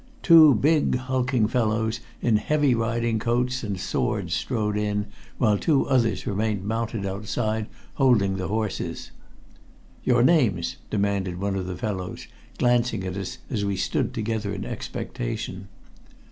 Two big, hulking fellows in heavy riding coats and swords strode in, while two others remained mounted outside, holding the horses. "Your names?" demanded one of the fellows, glancing at us as we stood together in expectation.